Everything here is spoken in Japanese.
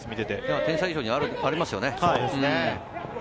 点差以上にありますよね。